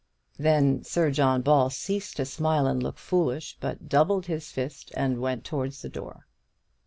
Then Sir John Ball ceased to smile, and look foolish, but doubled his fist, and went towards the door.